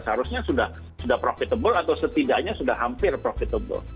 seharusnya sudah profitable atau setidaknya sudah hampir profitable